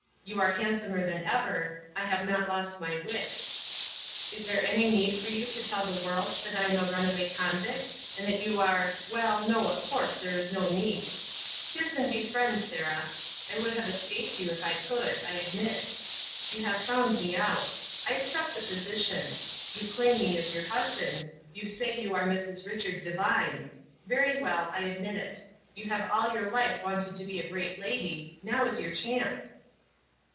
You are handsomer than ever, I have not lost my wits. Is there any need for you to tell the world that I am a runaway convict, and that you are well, no, of course there is no need. Kiss and be friends, Sarah. I would have escaped you if I could, I admit. You have found me out. I accept the position. You claim me as your husband. You say you are Mrs. Richard Devine. Very well, I admit it. You have all your life wanted to be a great lady. Now is your chance!"